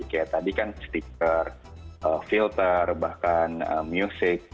kayak tadi kan stiker filter bahkan music